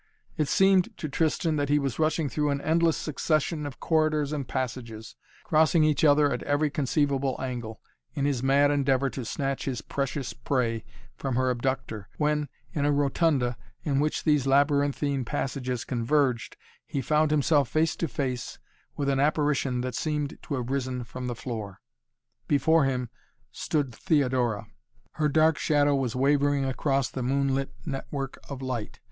It seemed to Tristan that he was rushing through an endless succession of corridors and passages, crossing each other at every conceivable angle, in his mad endeavor to snatch his precious prey from her abductor when, in a rotunda in which these labyrinthine passages converged, he found himself face to face with an apparition that seemed to have risen from the floor. Before him stood Theodora. Her dark shadow was wavering across the moonlit network of light.